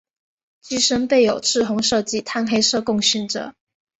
机身备有赤红色及碳黑色供选择。